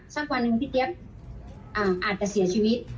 สักวันหนึ่งพี่เปี๊บอาจจะเสียชีวิต